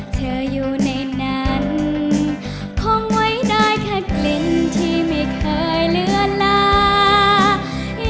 เธออยู่ในนั้นคงไว้ได้แค่กลิ่นที่ไม่เคยเลือนลา